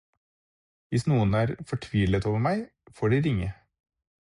Hvis noen er fortvilet over meg, får de ringe.